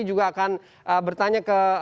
juga akan bertanya ke